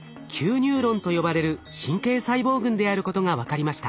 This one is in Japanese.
ニューロンと呼ばれる神経細胞群であることが分かりました。